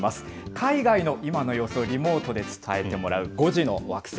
海外の今の様子をリモートで伝えてもらう５時の惑星。